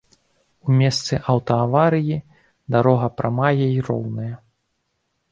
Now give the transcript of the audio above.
У месцы аўтааварыі дарога прамая і роўная.